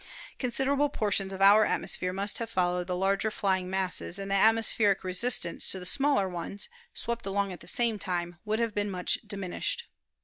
Considerable portions of our atmosphere must have followed the larger flying masses, and the atmospheric resistance to the smaller ones, swept along at the same time, would have been much di minished.